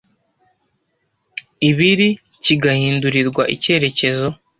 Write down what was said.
ibiri kigahindurirwa icyerekezo